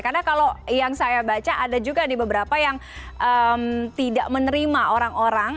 karena kalau yang saya baca ada juga di beberapa yang tidak menerima orang orang